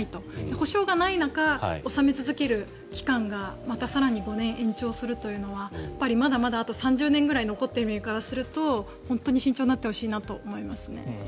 保証がない中納め続ける期間がまた更に５年延長するというのはまだまだあと３０年ぐらい残っている身からすると本当に慎重になってほしいなと思いますね。